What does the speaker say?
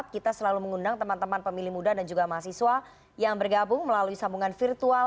kita selalu mengundang teman teman pemilih muda dan juga mahasiswa yang bergabung melalui sambungan virtual